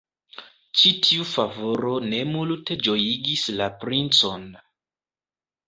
Ĉi tiu favoro ne multe ĝojigis la princon.